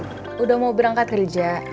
sudah mau berangkat kerja